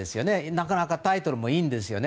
なかなかタイトルもいいんですよね。